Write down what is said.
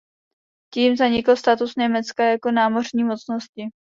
Tím zanikl status Německa jako námořní mocnosti.